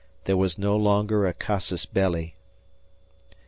There was no longer a casus belli.